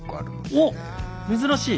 おっ珍しい！